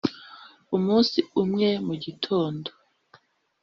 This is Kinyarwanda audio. umunsi umwe mugitondo,